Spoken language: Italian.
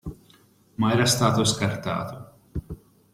Ma era stato scartato.